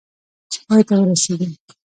چې پای ته ورسېږي .